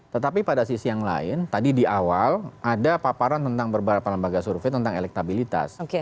tetapi pada sisi yang lain tadi di awal ada paparan tentang beberapa lembaga survei tentang elektabilitas